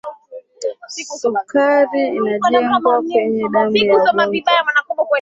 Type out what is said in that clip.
sukari inajengwa kwenye damu ya mgonjwa